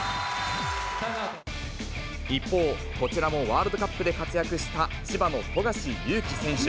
一方、こちらもワールドカップで活躍した千葉の富樫勇樹選手。